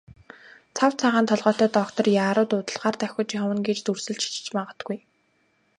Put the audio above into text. Цав цагаан толгойтой доктор яаруу дуудлагаар давхиж явна гэж дүрсэлж ч магадгүй.